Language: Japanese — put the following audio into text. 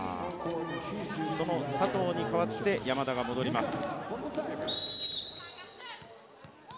佐藤に代わって山田が戻ります。